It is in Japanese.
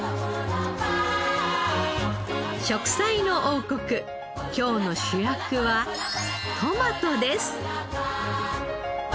『食彩の王国』今日の主役はトマトです。